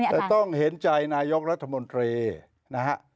แต่ต้องเห็นใจนายกรัฐมนตรีนะฮะ